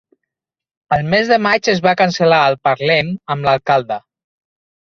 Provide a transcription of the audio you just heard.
El mes de maig es va cancel·lar el Parlem amb l'alcalde